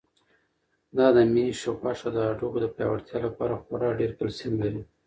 دا د مېښې غوښه د هډوکو د پیاوړتیا لپاره خورا ډېر کلسیم لري.